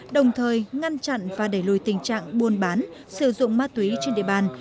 đồng thời ngăn chặn và đẩy lùi tình trạng buôn bán sử dụng ma túy trên địa bàn